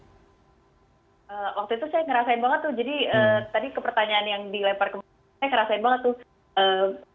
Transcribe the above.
waktu itu saya ngerasain banget tuh